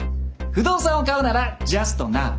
不動産を買うならジャストナウ！